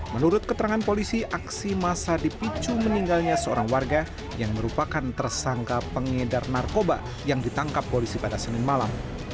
menurut keterangan polisi aksi massa dipicu meninggalnya seorang warga yang merupakan tersangka pengedar narkoba yang ditangkap polisi pada senin malam